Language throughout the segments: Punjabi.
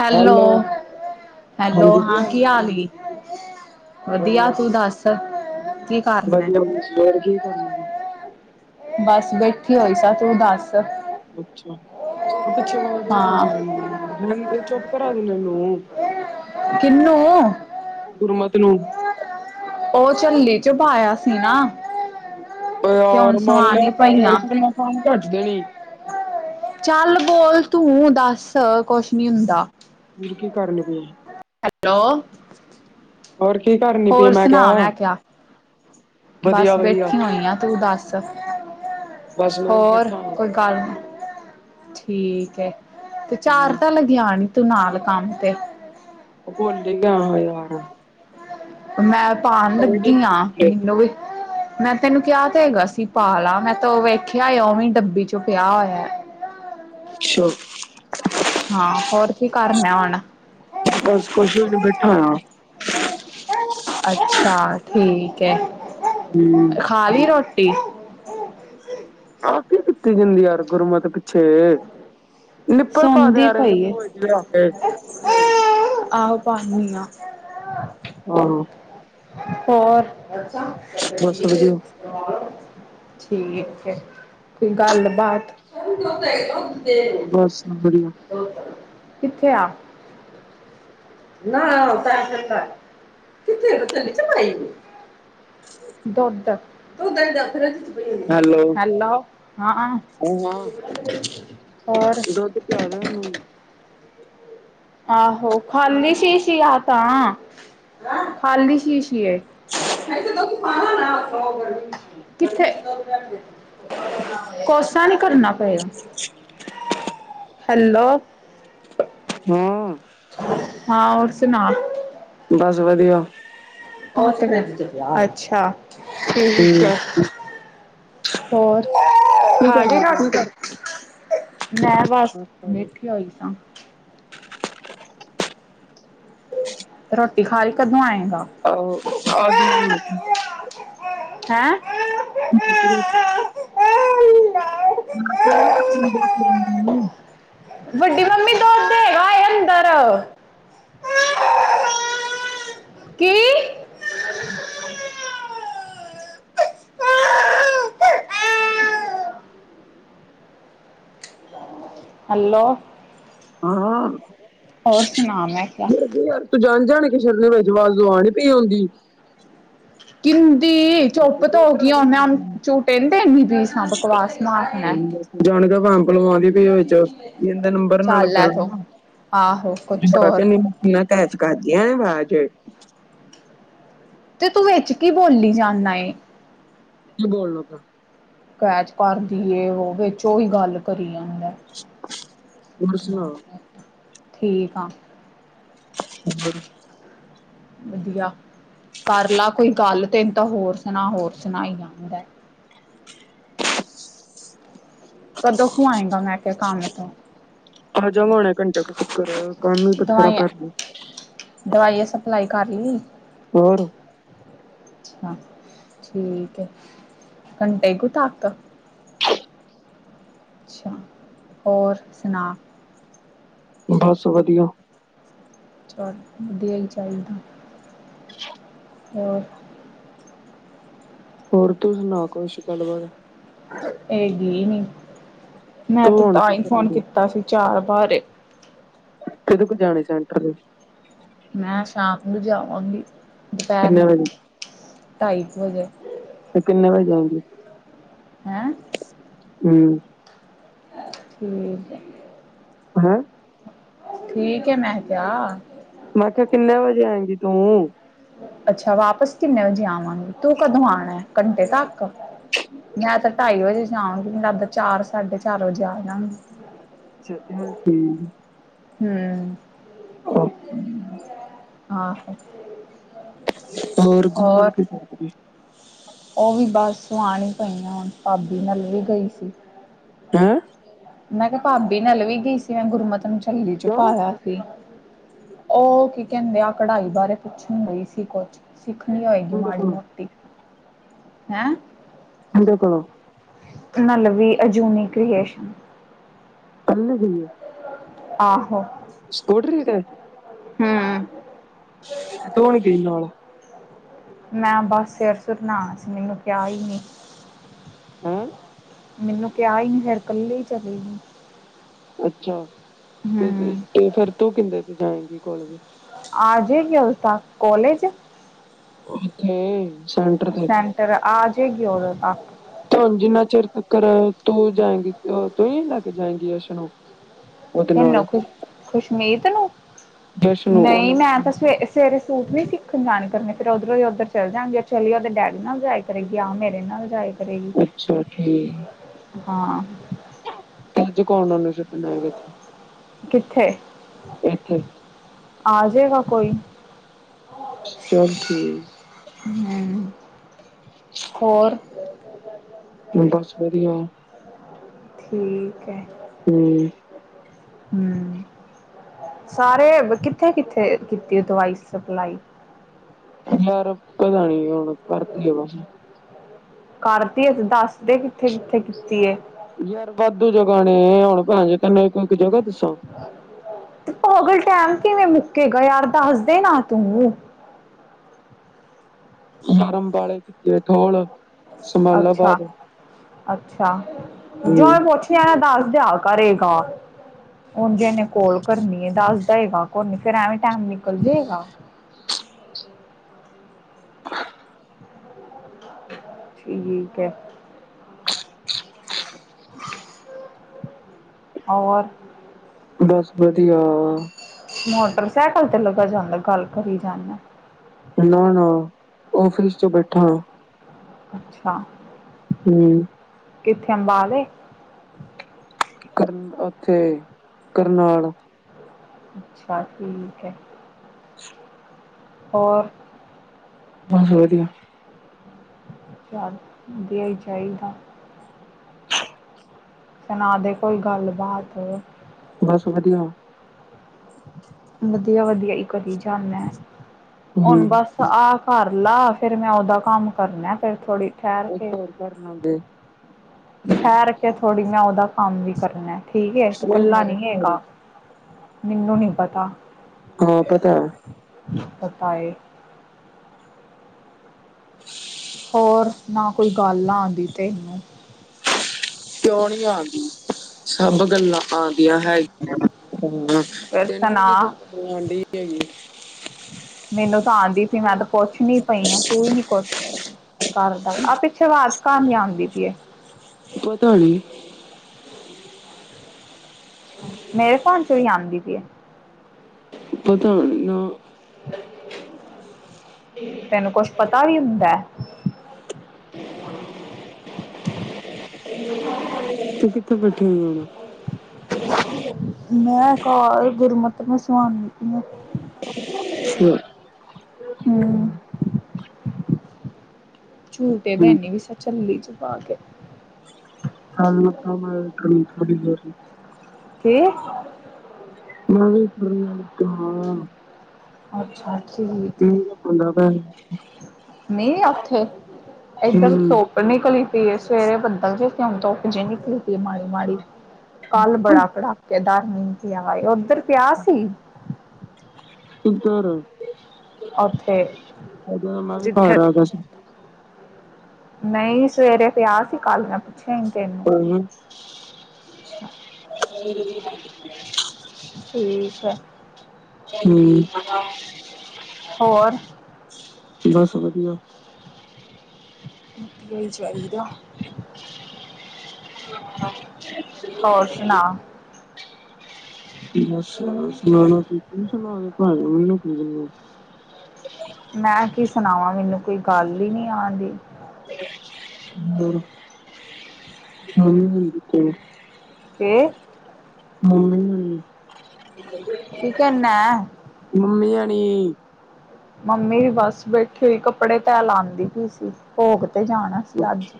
ਹੈਲੋ, ਹੈਲੋ ਹਾਂ ਕੀ ਹਾਲ ਈ? ਵਧੀਆ, ਤੂੰ ਦੱਸ? ਕੀ ਕਰਨਾ ਵਧੀਆ ਜੀ, ਹੋਰ ਕੀ ਕਰਨ ਦੀ? ਬਾਸ ਬੈਠੀ ਹੋਈ ਸਾ, ਤੂੰ ਦੱਸ? ਅੱਛਾ, ਉਹ ਪਿੱਛੇ ਵਾਜ਼ ਜਿ ਹਾਂ [unintelligible] ਏ ਚੁੱਪ ਕਰਾ ਦੇ ਨਾ ਏਨੂੰ। ਕਿਨੂੰ? ਗੁਰਮਤ ਨੂੰ। ਉਹ ਝੱਲੇ ਚ ਬਾਇਆ ਸੀ ਨਾ। ਤੇ ਹੁਣ ਯਾਰ ਮੰਨ ਸਵਾਣੀ ਲੇਆ ਪਈਆਂ ਕਰ [inaudible] ਦੇਣੀ। ਚਾਲ, ਬੋਲ ਤੂੰ, ਦਾਸ ਕੋਸ਼ ਨੀ ਹੁੰਦਾ। ਹੋਰ ਕੀ ਕਰਨੀ ਬੀ ਏ। ਹੈਲੋ। ਹੋਰ ਕੀ ਕਰਨੀ ਪਈ ਏ? ਹੋਰ ਸੁਣਾ ਕਿਹਾ ਮੈਂ ਕੇਆ? ਬਸ ਵਧੀਆ ਵਧੀਆ ਬੈਠੀ ਹੋਈ ਆਂ, ਤੂੰ ਦੱਸ? ਬਸ ਮੈਂ ਵੀ ਹੋਰ ਬੈਠਾ ਕੋਈ ਹਮ ਗੱਲ? ਠੀਕ ਐ, ਤੇ ਚਾਰ ਤਾਂ ਲਗੇਆ ਨੀ ਤੂੰ ਨਾਲ, ਕੰਮ ਤੇ? ਉਹ ਭੁੱਲ ਹੀ ਗਿਆ ਵਾ ਯਾਰ। ਮੈਂ ਪਾਣ ਲੱਗੀ ਆ, ਮੈਨੂੰ ਵੀ ਮੈਂ ਤੈਨੂੰ ਕਿਹਾ ਤੇ ਹੈਗਾ ਸੀ ਪਾ ਲਾ, ਮੈਂ ਤੋਂ ਵੇਖਿਆ ਏ, ਉਵੇ ਈ ਡੱਬੀ ਚੋਂ ਪਿਆ ਹੋਇਆ ਏ। ਛ। ਹਾਂ, ਹੋਰ ਕੀ ਕਰਨਾ ਹੁਣ? ਬਸ ਕੁਛ ਵੀ ਨੀ ਬੈਠਾ ਹੋਇਆ ਅੱਛਾ, ਠੀਕ ਏ। ਹੂੰ। ਖਾ ਲਈ ਰੋਟੀ? ਆ ਕੀ ਕੀਤੀ ਜਾਂਦੀ ਯਾਰ ਗੁਰਮਤ ਪਿੱਛੇ? ਨਿੱਪਲ ਪਾ ਦੇ ਸੌਦੀ ਯਾਰ ਏਂਦੇ ਪਈ ਏ। ਮੂੰਹ ਵਿਚ ਲਿਆ ਕੇ। ਆਹੋ ਪਾਨੀ ਆ। ਹਾਂ। ਹੋਰ? ਬਸ ਵਧੀਆ ਠੀਕ ਹੈ, ਫੇਰ ਗੱਲਬਾਤ ਬਸ ਵਧੀਆ ਕਿੱਥੇ ਆ? [unintelligible] ਦੁੱਧ, ਦੁਧ ਲੈਨ ਜਾਦੇਂ ਹੈਲੋ ਹੈਲੋ, ਹਾਂ, ਹੋਰ? [unintelligible] ਦੇ ਓਹਨੂੰ। ਆਹੋ ਖਾਲੀ ਸ਼ੀਸ਼ੀ ਆ ਤਾਂ ਖਾਲੀ ਸ਼ੀਸ਼ੀ ਕੀ ਏ? ਹਾਏ ਜਦੋਂ ਤੂਫ਼ਾਨ ਆਨਾ [unintelligible] ਕਿੱਥੇ? [unintelligible] ਕੋਸਾ ਨੀ ਕਰਨਾ ਪੇਗਾ, ਹੈਲੋ ਹਾਂ ਹਾਂ ਹੋਰ ਸੁਣਾ। ਬਸ ਵਧੀਆ। ਅੱਛਾ। ਹੂੰ ਠੀਕ ਆ ਹੋਰ ਕੀ ਖਾਗੇ ਕਰਨ ਪਈ ਹੁਣ [unintelligible] ਮੈਂ ਬਸ ਆਹ ਖਾ ਲਈ ਮੇਥੀ ਆਈ ਸਾਂ। ਰੋਟੀ ਖਾ ਲਈ, ਕਦੋਂ ਆਏਗਾ ਆਹੋ [unintelligible] ਹੈਂ [inaudible] [inaudible] ਵੱਡੀ ਮੰਮੀ ਦੁਧ ਹੈਗਾ ਏ ਅੰਦਰ ਕੀ? ਹੈਲੋ ਹਾਂ ਹੋਰ ਹੋਰ ਸੁਣਾ ਮੈਂ ਕਿਹਿਆ। ਯਾਰ ਤੂੰ ਜਾਣ-ਜਾਣ ਕਿ ਸ਼ਰਨੇ ਵਿੱਚ [unintelligible] ਪਈ ਆਉਂਦੀ। ਕਿੰਦੀ ਤੂੰ ਚੁੱਪ ਤਾਂ ਹੋ ਇੱਧਰ ਆ ਗੀ ਜਾ ਮੁੜ ਹੁਣ ਝੂਟੇ ਨੀ ਦੇਨੀ ਪੀ ਸਾ ਬਕਵਾਸ ਮਾਰਨਾ। ਜਾਣ ਕੇ ਬੰਪ ਲਗਵਾਉਂਦੀ ਪਈ ਹ ਵਿੱਚ ਇਹਦਾ ਨੰਬਰ ਨਾ ਚੱਲ ਲੱਗਣ ਐਥੋਂ ਨਾ। ਆਹੋ ਕੁੱਛ ਹੋ [inaudible] ਤੇ ਤੂੰ ਵਿੱਚ ਕੀ ਬੋਲੀ ਜਾਨਾ ਏ। ਜੀ ਬੋਲੇ ਬੋ ਕੈਚ ਕਰਦੀ ਏ ਉਹ ਵਿੱਚ ਉਹ ਹੀ ਗੱਲ ਕਰੀ ਜਾਂਦਾ। ਹੋਰ ਸੁਣਾ ਥੀਕ ਆ [unintelligible] ਵਧੀਆ ਕਰ ਲਾ ਕੋਈ ਗੱਲ ਤੈਨੂੰ ਤਾਂ ਹੋਰ ਸੁਣਾ ਹੋਰ ਸੁਣਾਈ ਆਦਾ। ਕਦੋ ਤੂ ਆਂਗਾ ਮੈਂ ਕਿਹਾ ਕੰਮ ਤੋਂ। ਆ ਜਾਗਾ ਹੁਣੇ ਘੰਟੇ ਤੋਂ ਤੀਕਰ ਕ੍ਹਾਨੂੰ ਚਿੱਤ ਖਰਾਬ ਕਰਦੀ ਏ। ਦਵਾਈ ਸਪਲਾਈ ਕਰ ਲੀ। ਹੋਰ। ਅੱਛਾ ਠੀਕ ਹੈ ਘੰਟੇ ਕੁੂ ਤੱਕ। ਅੱਛਾ ਹੋਰ ਸੁਣਾ। ਬਸ ਵਧੀਆ ਅਛਾ ਵਧੀਆ ਹੀ ਚਾਹੀਦਾ ਹੋਰ ਹੋਰ ਤੂੰ ਸੁਣਾ ਕੁਛ ਗੱਲਬਾਤ। ਇਹ ਗੀ ਨੀ ਮੈਂ ਤੂੰ ਤੇ ਹੁਣ ਤਾਂ ਕੀ ਹੀ ਕਰਨ ਫੋਨ ਦੀ ਕੀਤਾ ਸੀ ਚਾਰ ਵਾਰੇ। ਕਿਦੋ ਕੂ ਜਾਣਨਾ ਹੀ ਸੈਂਟਰ ਚ। ਮੈਂ ਸ਼ਾਮ ਨੂੰ ਜਾਵਾਂਗੀ ਦੁਪਹਿਰ ਕਿੰਨੇ ਨੂੰ ਵਜੇ ਢਾਈ ਕੁ ਵਜੇ। ਤੇ ਕਿੰਨੇ ਵਜੇ ਜਾਏਗੀ। ਹੈਂ? ਹਮ ਠੀਕ ਹੈ ਠੀਕ ਹੈ ਮੈਂ ਕਿਹਾ। ਮੈਂ ਕਿਹਾ ਕਿੰਨੇ ਵਜੇ ਆਏਂਗੀ ਤੂੰ ਅੱਛਾ ਵਾਪਸ ਕਿੰਨੇ ਵਜੇ ਆਵਾਂਗੀ, ਤੂੰ ਕਦੋਂ ਆਉਣਾ ਘੰਟੇ ਤੱਕ? ਯਾ ਤਾਂ ਢਾਈ ਵਜੇ [unintelligible] ਚਾਰ ਸਾਢੇ ਚਾਰ ਵਜੇ ਆਣਾ [inaudible] ਹਮ [unintelligible] ਆਹੋ ਹੋਰ ਘੁੰਮਤ ਕਿਥੇ [unintelligible] ਉਹ ਵੀ ਬਸ ਸੁਆਣ ਹੀ ਪਈਆਂ ਹੁਣ ਭਾਬੀ ਨਾਲ ਵੀ ਗਈ ਸੀ। ਹੈਂ ਮੈਂ ਕਿਹਾ ਭਾਬੀ ਨਾਲ ਵੀ ਗਈ ਸੀ ਮੈਂ ਗੁਰਮਤ ਨੂੰ ਚੱਲੀ ਚ ਕਿਉਂ ਪਾਇਆ ਸੀ ਉਹ ਕੀ ਕਹਿੰਦੇ ਆ ਕਢਾਈ ਬਾਰੇ ਪੁੱਛਣ ਗਈ ਸੀ ਕੁਝ ਸਿੱਖਣੀ ਆਏਗੀ ਮੁੰਡੇ ਮਾੜੀ ਕੋਲੋਂ ਮੋਟੀ ਹੈਂ ਇਹਦੇ ਕੋਲੋਂ। ਨਲਵੀ ਅਜੂਨੀ ਕ੍ਰੀਏਸ਼ਨ। ਕੰਲੀ ਗੲਈ ਆ ਆਹੋ। ਸਕੂਟਰੀ ਤੇ ਹੂੰ ਤੂੰ ਨੀ ਗਈ ਨਾਲ। ਮੈਂ ਬਸ ਸਿਰ ਸੁੁਰ ਨਾ ਸੀ ਮੈਨੂੰ ਕਿਆ ਈ ਨੀ ਆ ਮੈਨੂੰ ਕਿਹਾ ਹੀ ਨਹੀਂ ਫਿਰ ਕੱਲੀ ਹੀ ਚਲੇਗੀ ਅੱਛਾ ਤੇ, ਹੂੰ ਤੇ ਫਿਰ ਤੂੰ ਕਿੰਦੇ ਜਾਏਗੀ ਕਾਲਜ। ਆ ਜੇਗੀ ਉੰਝ ਤਾ ਕੋਲੇਜ। ਉਥੇ ਸੈਂਟਰ ਤੇ। ਤੇ ਆ ਜੇਗੀ ਉਦੋ ਤਾਂ ਤੁ ਜਿੰਨਾ ਚਿਰ ਤਕਰ ਤੂੰ ਜਾਏਗੀ ਤੂੰ ਹੀ ਲੈ ਕੇ ਜਾਏਗੀ ਅਰਸ਼ ਨੂੰ। ਉਹਦੇ ਤੈਨੂੰ ਨਾਲ ਕੁ ਖੁਸ਼ਮੀਤ ਨੂੰ, ਯਸ਼ ਨੂੰ ਨਹੀਂ ਉਹਨੂੰ ਕੁਛ ਮੈਂ ਤਾਂ ਨਹੀਂ। ਸਵੇ ਸਵੇਰੇ ਸੂਟ ਵੀ ਸਿੱਖਣ ਜਾਨ ਕਰਨੇ ਫਿਰ ਉੱਧਰੋਂ ਉੱਧਰ ਚੱਲ ਜਾਣਗੇ ਚੱਲ ਉਹਦੇ ਡੈਡੀ ਨਾਲ ਜਾਏ ਕਰੇਗੀ ਆਹ ਮੇਰੇ ਨਾਲ ਜਾਏਗੀ ਅੱਛਾ ਠੀਕ ਹਾਂ। ਅੱਜ ਕੌਣ ਉਹਨੂੰ ਛੱਡਣ ਆਏਗਾ ਏਥੇ। ਕਿੱਥੇ ਏਥੇ ਆ ਜੇਗਾ ਕੋਈ। ਚਲ ਠੀਕ। ਹਮ ਹੋਰ ਬਸ ਵਧੀਆ। ਠੀਕ ਹੈ ਹੂੰ ਹੂੰ, ਸਾਰੇ ਕਿੱਥੇ-ਕਿੱਥੇ ਕੀਤੀ ਐ ਦਵਾਈ ਸਪਲਾਈ। ਯਾਰ ਪਤਾ ਨੀ ਹੁਣ ਕਰਤੀ ਆ ਬਸ ਕਰਤੀ ਏ, ਤੇ ਦੱਸਦੇ ਕਿੱਥੇ-ਕਿੱਥੇ ਕੀਤੀ ਏ। ਯਾਰ ਵਾਧੂ ਜਗ੍ਹਾ ਨੇ, ਹੁਣ ਭੈਣ ਚੋ ਤੈਨੂੰ ਇੱਕ-ਇੱਕ ਜਗ੍ਹਾ ਦੱਸਾਂ। ਪਾਗਲ ਟਾਈਮ ਕਿਵੇਂ ਮੁੱਕੇ ਗਾ ਯਾਰ ਦੱਸਦੇ ਨਾ ਤੂੰ ਨਰਮ ਵਾਲੇ ਕੀਤੀ ਐ ਠੋਲ ਅੱਛਾ-ਅੱਛਾ, ਹੂੰ ਜਾਓ ਪੁੱਛ ਯਾਰ ਦੱਸ ਦਿਆ ਕਰੇਗਾ, ਉੰਜ ਏਨੇ ਕੋਲ ਕਰਨੀਏ ਦੱਸਦਾ ਹੈਗਾ ਕੋਈ ਨੀ, ਫਿਰ ਐਵੇਂ ਟਾਈਮ ਨਿਕਲ ਜੇਗਾ। ਠੀਕ ਐ। ਔਰ ਬਸ ਵਧੀਆ। ਮੋਟਰਸਾਈਕਲ ਤੇ ਲੱਗਾ ਜਾਂਦਾ ਗੱਲ ਕਰੀ ਜਾਂਦਾ। ਨਾ-ਨਾ ਔਫਿਸ ਚ ਬੈਠਾ ਆਂ। ਅੱਛਾ। ਹੂੰ। ਕਿੱਥੇ ਅੰਬਾਲੇ? ਕਰਨ ਉੱਥੇ, ਕਰਨਾਲ। ਅੱਛਾ, ਠੀਕ ਐ। ਹੋਰ ਬਸ ਵਧੀਆ। ਚਲ ਵਦੀਆ ਈ ਚਾਹੀਦਾ। ਸੁਣਾ ਦੇ ਕੋਈ ਗੱਲਬਾਤ। ਬਸ ਵਧੀਆ। ਵਧੀਆ-ਵਧੀਆ ਈ ਕਰੀ ਜਾਨਾ, ਹੂੰ। ਹੁਣ ਬਸ ਆਹ ਕਰ ਲਾ, ਫਿਰ ਮੈਂ ਉਹਦਾ ਕੰਮ ਕਰਨਾ, ਫਿਰ ਥੋੜੀ ਇੱਕ ਹੋਰ ਕਰਲਾਂਗੇ। ਠਹਿਰ ਕੇ ਥੋੜ੍ਹੀ, ਮੈਂ ਉਹਦਾ ਕੰਮ ਵੀ ਕਰਨਾ, ਠੀਕ ਐ ਤੂੰ ਨਹੀਂ ਕੱਲਾ ਯਾਰ ਇੱਕ ਨਹੀ ਹੋਰ ਹੈਗਾ। ਮੈਨੂੰ ਨੀ ਪਤਾ। ਹਾਂ, ਪਤਾ। ਪਤਾ ਏ। ਹੋਰ ਨਾ ਕੋਈ ਗੱਲ ਆਂਦੀ ਤੈਨੂੰ। ਕਿਉਂ ਨੀ ਆਂਦੀ, ਸਭ ਗੱਲਾਂ ਆਂਦੀਆਂ ਹੈਗੀਆਂ ਨੇ। ਹਾਂ, ਫਿਰ ਤੈਨੂੰ ਸੁਣਾ ਨੀ ਕੋਈ ਗੱਲ ਆਂਡੀ ਹੈਗੀ ਏ। ਮੈਨੂੰ ਤਾਂ ਆਂਦੀ ਸੀ, ਮੈਂ ਤਾਂ ਪੁੱਛ ਨੀ ਪਈ ਆ, ਤੂੰ ਹੀ ਨੀ ਕੁੱਛ ਕਰਦਾ, ਆਹ ਪਿੱਛੇ ਆਵਾਜ਼ ਕਾਹਦੀ ਆਂਦੀ ਪਈ ਐ। ਪਤਾ ਨੀ। ਮੇਰੇ ਫੋਨ ਚ ਵੀ ਆਂਦੀ ਪਈ ਐ। ਪਤਾ ਨੀ, ਨਾ। ਤੈਨੂੰ ਕੁਛ ਪਤਾ ਵੀ ਹੁੰਦਾ। [inaudible] ਤੂੰ ਕਿੱਥੇ ਬੈਠੀ ਹੋਈ ਐ ਹੁਣ। ਮੈਂ ਘਰ ਗੁਰਮਤ ਨੂੰ ਸੁਆਨੀ ਪਈ ਆਂ। ਹੂੰ, ਹੂੰ, ਝੂਟੇ ਦੇਨੀ ਪਈ ਸਾਂ। ਝੱਲੀ ਜ ਪਾ ਕੇ। [inaudible] ਕੀ ਮੈਂ ਵੀ ਤੁਰਨ ਲੱਗਾ। ਅੱਛਾ ਠੀਕ ਹੈ ਹੂੰ ਆਂਦਾ ਪੈ। ਨਹੀਂ ਉੱਥੇ ਇੱਧਰ ਸੋ ਨਿਕਲੀ ਪਈ ਏ ਸਵੇਰੇ ਬੱਦਲ ਜੇ ਕੁਣ ਧੁੱਪ ਜੀ ਨਿਕਲੀ ਪਈ ਮਾੜੀ-ਮਾੜੀ। ਕੱਲ ਹੂੰ ਬੜਾ ਕੜਾਕੇਦਾਰ ਮੀਂਹ ਪਿਆ ਉਧਰ ਪਿਆ ਸੀ। ਇਧਰ ਉੱਥੇ ਉਦੋਂ ਮੈਂ ਵੀ ਜਿੱਥੇ ਘਰ ਆ ਗਿਆ ਸੀ। ਨਈ ਸਵੇਰੇ ਪਿਆ ਸੀ ਕੱਲ ਮੈਂ ਪੁੱਛਿਆ ਹੀ ਤੈਨੂੰ [inaudible] ਅੱਛਾ, ਠੀਕ ਐ। ਹੂੰ, ਹੋਰ ਬਸ ਵਧੀਆ। ਵਧੀਆ ਹੀ ਚਾਹੀਦਾ। ਹੋਰ ਸੁਣਾ [inaudible] [inaudible] ਮੈਂ ਕੀ ਸੁਣਾਵਾਂ ਮੈਨੂੰ ਕੋਈ ਗੱਲ ਹੀ ਨੀ ਆਂਦੀ। [inaudible] ਤੇ [inaudible] [unintelligible] ਕੀ ਕਹਿਨਾ? ਮੰਮੀ ਹੋਣੀ ਮੰਮੀ ਵੀ ਬਸ ਬੈਠੀ ਹੋਈ ਕੱਪੜੇ ਤਹਿ ਲਾਦੀ ਪਈ ਸੀ ਭੋਗ ਤੇ ਜਾਣਾ। ਸੀ ਅੱਜ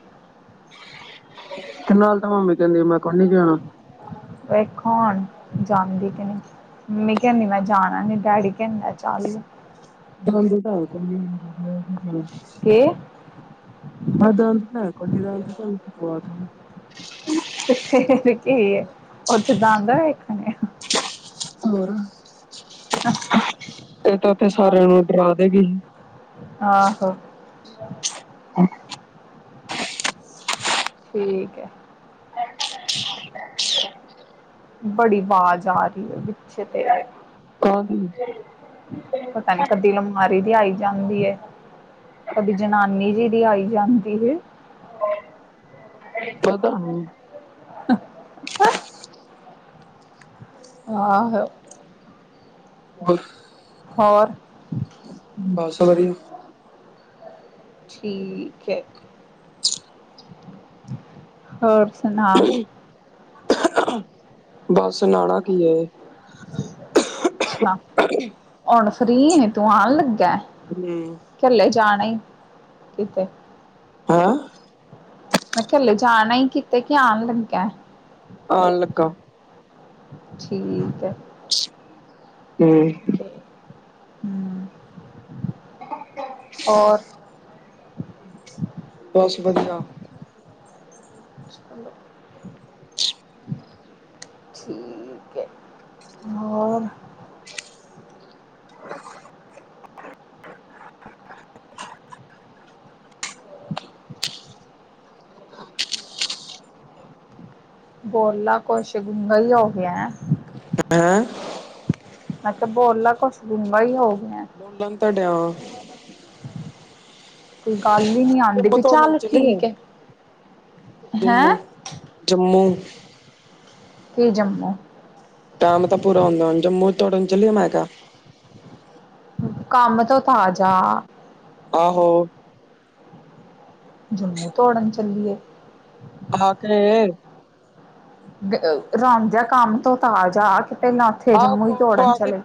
ਤੇ ਨਾਲ ਤਾਂ ਮੰਮੀ ਕਹਿੰਦੀ ਮੈਂ ਕੋਈ ਨਹੀਂ ਜਾਣਾ। ਵੇਖੋ ਹੁਣ ਜਾਂਦੀ ਕਿਵੇ। ਮੰਮੀ ਕੇਨੀ ਮੈਂ ਜਾਣਾ ਨੀ ਡੈਡੀ ਕਹਿੰਦਾ ਚੱਲ। ਹਾਂਜੀ [inaudible] ਕੇ ਕੋਈ ਨਹੀਂ ਰਹਿਣ ਦਿਓ ਤੁਹਾਨੂੰ ਮੰਗਵਾ ਦਾਂਗਾ। ਤੇ ਫੇਰ ਕੀ ਏ ਉੱਥੇ ਜਾਂਦਾ ਵੇਖਣ ਹੋਰ ਇਹ ਤਾਂ ਉਥੇ ਆ ਸਾਰਿਆਂ ਨੂੰ ਡਰਾ ਦੇਗੀ। ਆਹੋ, [inaudible] ਠੀਕ ਹੈ। ਬੜੀ ਵਾਜ਼ ਆ ਰਹੀ ਏ ਪਿੱਛੇ ਤੇਰੇ। ਕੋਣ? ਪਤਾ ਨਹੀਂ ਕਦੀ ਲਮ ਹਾਰੀ ਦੀ ਆਈ ਜਾਂਦੀ ਏ, ਕਦੀ ਜਨਾਨੀ ਜੀ ਦੀ ਆਈ ਜਾਂਦੀ ਏ। ਪਤਾ ਨਹੀ, [unintelligible] ਆਹੋ, ਹੋਰ ਹੋਰ ਬਸ ਵਧੀ ਠੀਕ ਐ, ਹੋਰ ਸੁਣਾ? ਬਸ ਨਾਨਾ ਕੀ ਏ। ਅੱਛਾ ਹੁਣ ਫਰੀ ਐ ਤੂੰ ਆਣ ਲੱਗਾ। ਹੂੰ, ਚਲੇ ਜਾਣਾ ਕਿਤੇ ਹੈਂ ਮੈਂ ਘੱਲੇ ਜਾਣਾ ਹੀ ਕੀਤੇ ਕਿ ਆਉਣ ਲੱਗਿਆ ਆਉਣ ਲੱਗਾ। ਠੀਕ ਹੈ। ਹਮ ਹੂੰ, ਹੋਰ ਬਸ ਵਧੀਆ ਚਲੋ ਠੀਕ ਹੈ ਹੋਰ [inaudible] [inaudible] [inaudible] ਬੋਲਾ ਕੁਛ ਗੁੰਗਾ ਹੀ ਹੋ ਗਿਆ [inaudible] ਤੇ ਬੋਲਾ ਕੁਛ ਗੂੰਗਾ ਈ ਹੋ ਗਿਆਂ ਬੋਲਣ ਤੇ ਡਿਆਂ ਕੋਈ ਗੱਲ ਈ ਜੰਮੂ ਤੋਂ ਹਨ ਚਲੀਏ ਹੈਂ ਜੰਮੂ, ਜੰਮੂ ਤੇ ਜਮਨਾ ਐ। ਕੰਮ ਤਾਂ ਪੂਰਾ ਹੁੰਦਾ, ਹੁਣ ਅਮਰੂਦ ਤੋੜਨ ਚੱਲੀਏ, ਮੈਂ ਕਿਹਾ। ਕੰਮ ਤੋਂ ਤਾਜ਼ਾ ਆਹੋ। ਜਮੂ ਤੌੜਨ ਚੱਲੀਏ ਹਾਂ ਕੇ ਰਾਮ੍ਦਿਆ ਕੰਮ ਤੋਂ ਤਾ ਆਜਾ ਕੇ ਪਹਿਲਾਂ ਉੱਥੇ ਆਹ ਜੰਮੂ ਈ ਉੱਥੋਂ ਤੋੜਨ ਆ ਕੇ ਚਲੇ